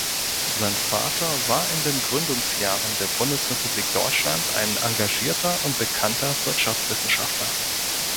Sein Vater war in den Gründungsjahren der Bundesrepublik Deutschland ein engagierter und bekannter Wirtschaftswissenschaftler.